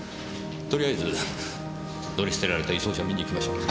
とりあえず乗り捨てられた移送車を見に行きましょう。